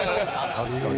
確かに。